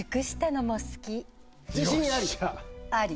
自信あり？